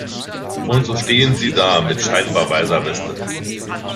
Und so stehen sie da mit scheinbar weißer Weste.